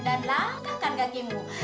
dan langkahkan kakimu